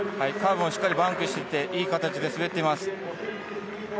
カーブもしっかりバンクしていい形で滑っています。